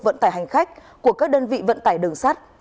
vận tải hành khách của các đơn vị vận tải đường sắt